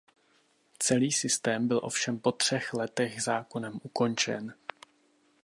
Celý systém byl ovšem po třech letech zákonem ukončen.